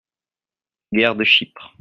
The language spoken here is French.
- Guerre de Chypre.